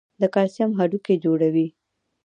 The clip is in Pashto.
د کلسیم هډوکي جوړوي.